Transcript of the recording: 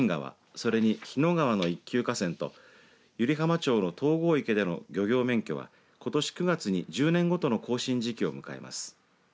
それに日野川の１級河川と湯梨浜町の東郷池での漁業免許はことし９月に１０年ごとの更新時期を迎えます。